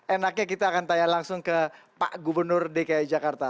enaknya kita akan tanya langsung ke pak gubernur dki jakarta